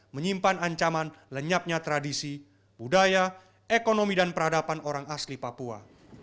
menyimpan ancaman lenyapnya tradisi budaya ekonomi dan peradaban orang asli papua